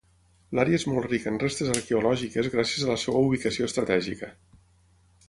L'àrea és molt rica en restes arqueològiques gràcies a la seva ubicació estratègica.